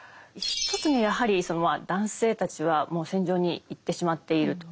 一つにはやはりそのまあ男性たちはもう戦場に行ってしまっていると。